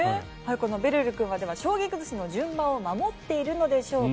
このべるる君は将棋崩しの順番を守っているのでしょうか。